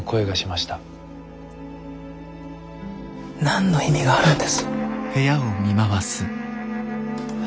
何の意味があるんです？